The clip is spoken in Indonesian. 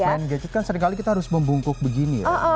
main gadget kan seringkali kita harus membungkuk begini